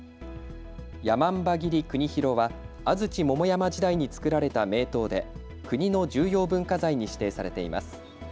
山姥切国広は安土桃山時代に作られた名刀で国の重要文化財に指定されています。